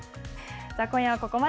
今夜はここまで。